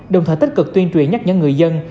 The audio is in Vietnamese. đồng thời tích cực tuyên truyền nhắc nhở người dân